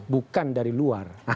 bukan dari luar